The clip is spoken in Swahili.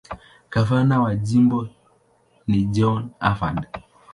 Gavana wa jimbo ni John Harvard.